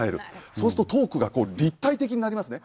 そうするとトークが立体的になりますね。